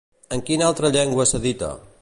En quina altra llengua s'edita?